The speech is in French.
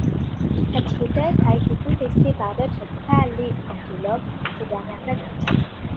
Cette hyphothèse a été contestée par d'autres paléontologues ces dernières années.